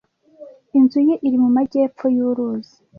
Inzu ye iri mu majyepfo yuruzi.